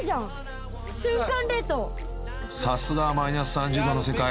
［さすがはマイナス３０℃の世界］